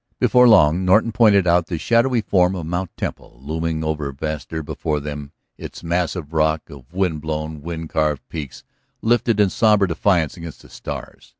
Before long Norton pointed out the shadowy form of Mt. Temple looming ever vaster before them, its mass of rock, of wind blown, wind carved peaks lifted in sombre defiance against the stars.